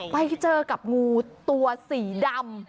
ไปเจอกับงูตัวสีดำ